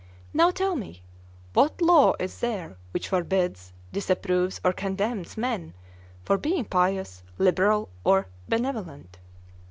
Now tell me, what law is there which forbids, disapproves, or condemns men for being pious, liberal, and benevolent?